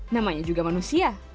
namanya juga manusia